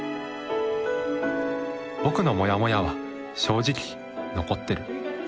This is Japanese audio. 僕のモヤモヤは正直残ってる。